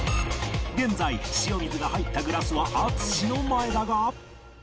現在塩水が入ったグラスは淳の前だが